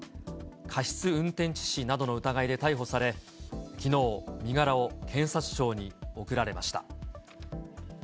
過失運転致死などの疑いで逮捕され、きのう、身柄を検察庁に送られました。